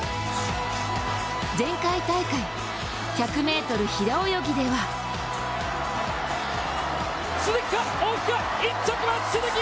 前回大会、１００ｍ平泳ぎでは１着は鈴木！